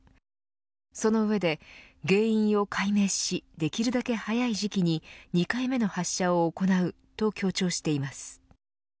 その上で原因を解明しできるだけ早い時期に２回目の発射を行うと強調しています。